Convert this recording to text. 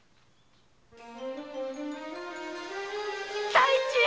太一！